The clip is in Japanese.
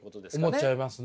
思っちゃいますね。